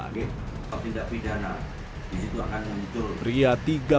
tidak ada kekuatan untuk mencari identitas pelaku mutilasi